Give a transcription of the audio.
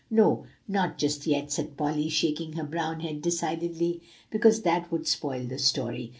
"No, not just yet," said Polly, shaking her brown head decidedly; "because that would spoil the story.